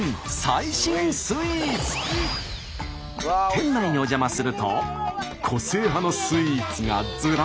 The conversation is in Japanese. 店内にお邪魔すると個性派のスイーツがずらり！